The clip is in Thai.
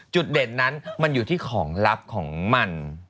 จุดเด่นนั้นมันอยู่ที่ของลับของมัน